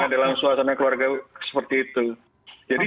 dalam suasana keluarga seperti itu